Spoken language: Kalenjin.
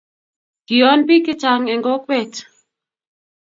kioon biik che chang' eng' kokwet